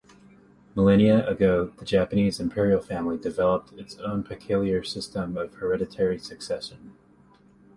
Millennia ago, the Japanese imperial family developed its own peculiar system of hereditary succession.